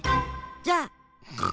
じゃあ。